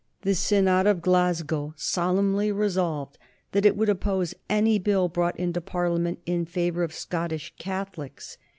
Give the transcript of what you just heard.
The Synod of Glasgow solemnly resolved that it would oppose any Bill brought into Parliament in favor of Scottish Catholics.